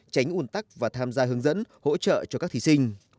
tránh ủn tắc và tham gia hướng dẫn hỗ trợ cho các thí sinh